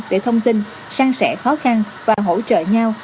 để thông tin sang sẻ khó khăn và hỗ trợ nhau